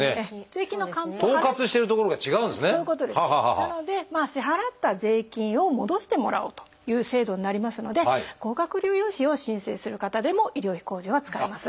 なので支払った税金を戻してもらおうという制度になりますので高額療養費を申請する方でも医療費控除は使えます。